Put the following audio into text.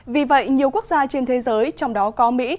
vì vậy nhiều quốc gia trên thế giới trong đó có mỹ